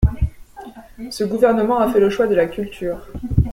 Ce gouvernement a fait le choix de la culture.